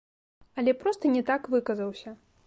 Але проста не так выказаўся.